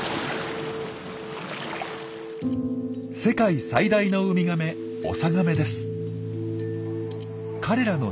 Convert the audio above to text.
世界最大のウミガメオサガメです。